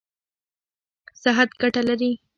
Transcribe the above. صحت ګټه ده.